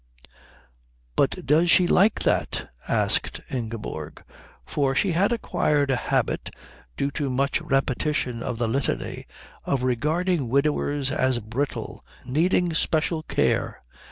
"But does she like that?" asked Ingeborg. For she had acquired a habit, due to much repetition of the Litany, of regarding widowers as brittle, needing special care.